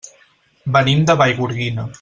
Venim de Vallgorguina.